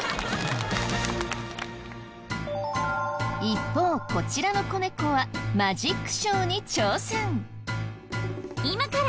一方こちらの子猫はマジックショーに挑戦。